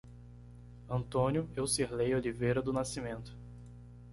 Antônio Eucirley Oliveira do Nascimento